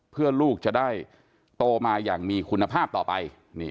เพื่อลูกจะได้โตมาอย่างมีคุณภาพต่อไป